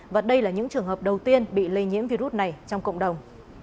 và đây là những trường hợp đầu tiên bị lây nhiễm virus này trong cộng đồng